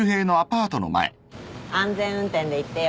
安全運転で行ってよ。